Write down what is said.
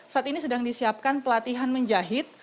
saat ini sedang disiapkan pelatihan menjahit